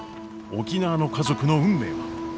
沖縄の家族の運命は！？